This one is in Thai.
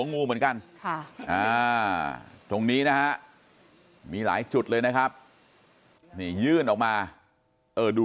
งูเหมือนกันตรงนี้นะฮะมีหลายจุดเลยนะครับนี่ยื่นออกมาเออดู